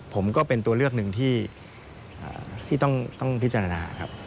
ผมก็เป็นตัวเลือกหนึ่งที่ต้องพิจารณาครับ